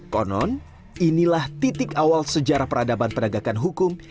konon inilah titik awal sejarah peradaban penegakan hukum